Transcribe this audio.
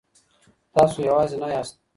تاسو يوازي نه ياست.